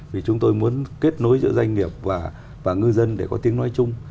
vì chúng tôi muốn kết nối giữa doanh nghiệp và ngư dân để có tiếng nói chung